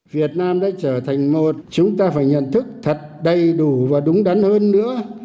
việt nam đã trở thành một chúng ta phải nhận thức thật đầy đủ và đúng đắn hơn nữa